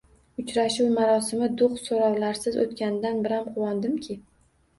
Uchrashuv marosimi do‘q-so‘roqlarsiz o‘tganidan biram quvondimki!